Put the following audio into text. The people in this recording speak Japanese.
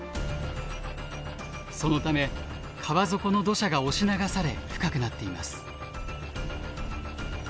そのため川底の土砂が押し流され深くなっています。